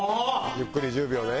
ゆっくり１０秒ね。